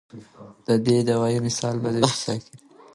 د دې دوائي مثال د بې ساکۍ دے